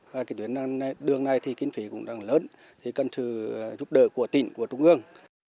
và cái tuyến đường này thì kinh phí cũng rất lớn thì cần sự giúp đỡ của tỉnh của trung ương